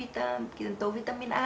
tổ vitamin a